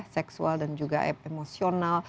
seksual dan juga emosional